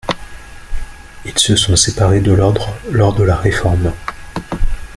Ils se sont séparés de l'Ordre lors de la Réforme.